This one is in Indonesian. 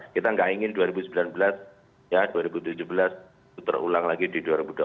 kita nggak ingin dua ribu sembilan belas ya dua ribu tujuh belas itu terulang lagi di dua ribu dua puluh empat